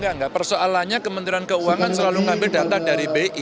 enggak persoalannya kementerian keuangan selalu mengambil data dari bi